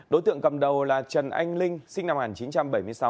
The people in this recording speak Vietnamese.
đối tượng cầm đầu là trần anh linh sinh năm một nghìn chín trăm bảy mươi sáu